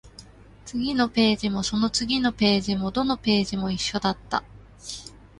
次のページも、その次のページも、どのページも一緒だった